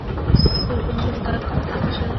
هغوی په لومړي کال کې وتښتېدل.